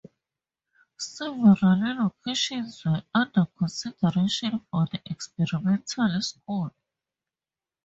Several locations were under consideration for the experimental school.